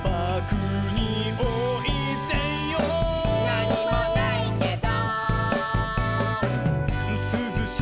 「なにもないけど」